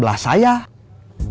kalau kamu masih aman